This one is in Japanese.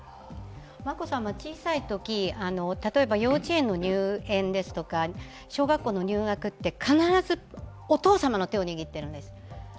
眞子さまは小さいとき、例えば幼稚園の入園とか小学校の入学って、必ずお父さまの手を握っているんです。